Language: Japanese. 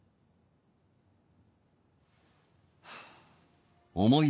ハァ。